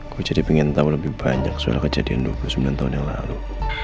gue jadi pengen tahu lebih banyak suara kejadian dua puluh sembilan tahun yang lalu